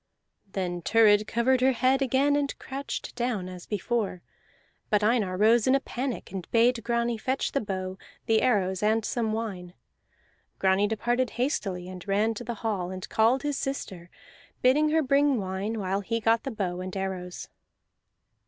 Then Thurid covered her head again and crouched down as before. But Einar rose in a panic and bade Grani fetch the bow, the arrows, and some wine. Grani departed hastily, and ran to the hall, and called his sister, bidding her bring wine while he got the bow and arrows.